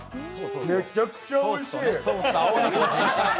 めちゃくちゃおいしい。